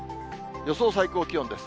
予想最高気温です。